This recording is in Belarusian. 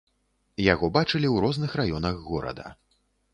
Яго бачылі ў розных раёнах горада.